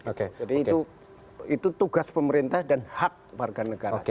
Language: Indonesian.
jadi itu tugas pemerintah dan hak warga negara